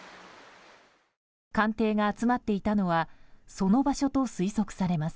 艦艇が集まっていたのはその場所と推測されます。